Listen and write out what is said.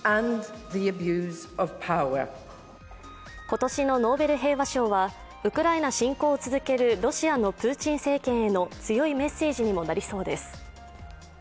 今年のノーベル平和賞はウクライナ侵攻を続けるロシアのプーチン政権への強いメッセージにもなりそうです。